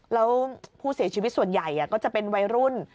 แล้วผู้เสียชีวิตส่วนใหญ่ก็จะเป็นวัยรุ่น